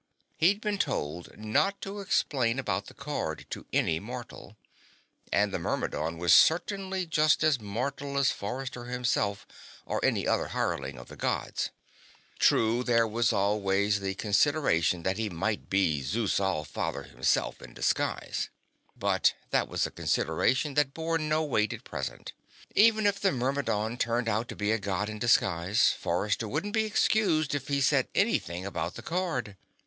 He'd been told not to explain about the card to any mortal. And the Myrmidon was certainly just as mortal as Forrester himself, or any other hireling of the Gods. True, there was always the consideration that he might be Zeus All Father himself, in disguise. But that was a consideration that bore no weight at present. Even if the Myrmidon turned out to be a God in disguise, Forrester wouldn't be excused if he said anything about the card.